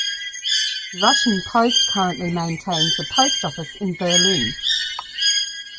Russian Post currently maintains a post office in Berlin.